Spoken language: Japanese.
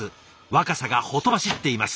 若さがほとばしっています。